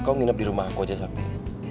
kau nginep di rumah aku aja sakti